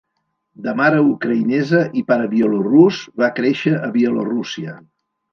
De mare ucraïnesa i pare bielorús, va créixer a Bielorússia.